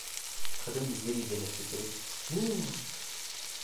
Kadın dizleri üzerine çökerek: "Neyin var?"